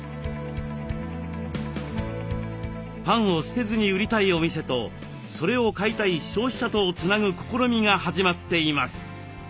パンを捨てずに売りたいお店とそれを買いたい消費者とをつなぐ試みが始まっています。